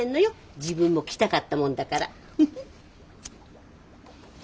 自分も来たかったもんだからフフ。